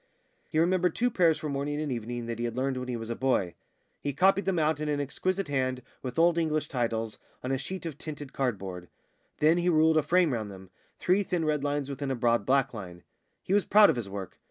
He remembered two prayers for morning and evening that he had learned when he was a boy. He copied them out in an exquisite hand, with Old English titles, on a sheet of tinted cardboard. Then he ruled a frame round them three thin red lines within a broad black line. He was proud of his work.